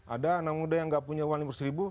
ada anak muda yang nggak punya uang lima ratus ribu